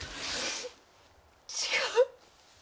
違う！